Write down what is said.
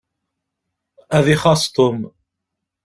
Ad ixaṣ Tom.